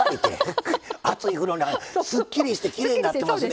熱い風呂に入ってすっきりしてきれいになってますね。